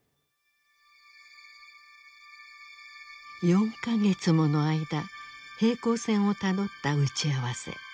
４か月もの間平行線をたどった打ち合わせ。